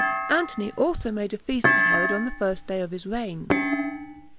Antony also made a feast for Herod on the first day of his reign.